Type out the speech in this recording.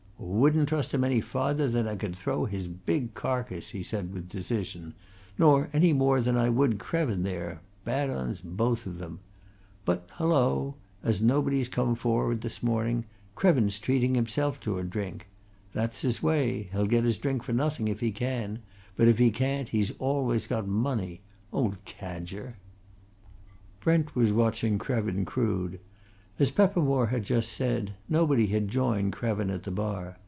"Wouldn't trust him any farther than I could throw his big carcase!" he said with decision. "Nor any more than I would Krevin there bad 'uns, both of 'em. But hullo! as nobody's come forward this morning, Krevin's treating himself to a drink! That's his way he'll get his drink for nothing, if he can, but, if he can't, he's always got money. Old cadger!" Brent was watching Krevin Crood. As Peppermore had just said, nobody had joined Krevin at the bar.